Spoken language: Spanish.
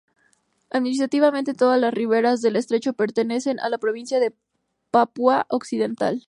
Administrativamente, todas las riberas del estrecho pertenecen a la Provincia de Papúa Occidental.